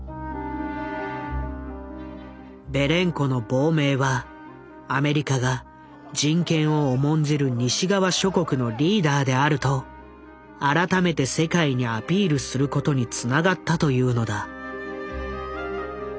ベレンコの亡命はアメリカが人権を重んじる西側諸国のリーダーであると改めて世界にアピールすることにつながったというのだ。